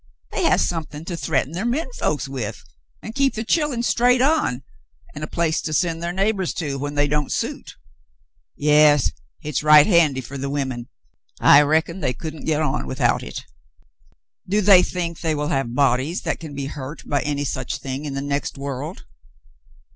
They has somethin' to threat'n ther men folks with an' keep ther chillen straight on, an' a place to sen' ther neighbors to when they don't suit. Yas, hit's right handy fer th' women. I reckon they couldn't git on without hit." *'Do they think they will have bodies that can be hurt by any such thing in the next world